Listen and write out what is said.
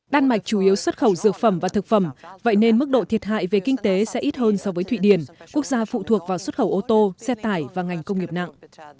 đan mạch chủ yếu xuất khẩu dược phẩm và thực phẩm vậy nên mức độ thiệt hại về kinh tế sẽ ít hơn so với thụy điển quốc gia phụ thuộc vào xuất khẩu ô tô xe tải và ngành công nghiệp nặng